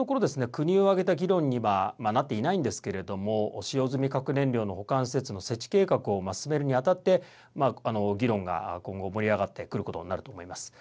国を挙げた議論にはなってはいないんですけれども使用済み核燃料の保管施設の設置計画を進めるに当たって議論が今後、盛り上がってくることになると思います。